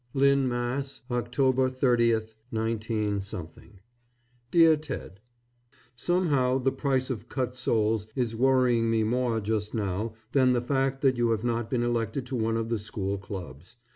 LYNN, MASS., _October 30, 19 _ DEAR TED: Somehow the price of cut soles is worrying me more, just now, than the fact that you have not been elected to one of the school clubs.